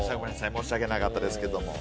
申し訳なかったですけども。